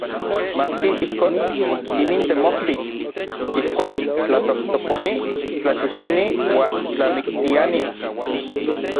Maski ijkon, inin temojti. Ijkuak tlatojtoponi, tlaxixini uan tlamiktiani.